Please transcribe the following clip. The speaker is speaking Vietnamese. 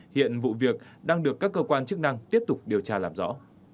hiện vụ việc đang được các cơ quan chức năng tiếp tục điều tra làm rõ